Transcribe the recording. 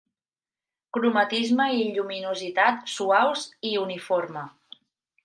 Cromatisme i lluminositat suaus i uniforme.